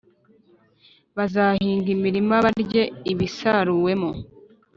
bazahinga imirima barye ibisaruwemo.